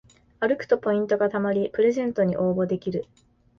歩くとポイントがたまりプレゼントに応募できる